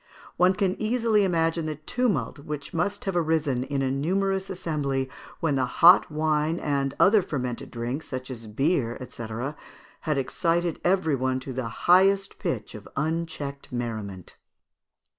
One can easily imagine the tumult which must have arisen in a numerous assembly when the hot wine and other fermented drinks, such as beer, &c., had excited every one to the highest pitch of unchecked merriment.